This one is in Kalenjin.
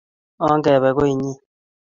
ongepe koinyi